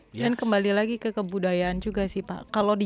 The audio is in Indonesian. dan kembali lagi ke kebudayaan juga sih pak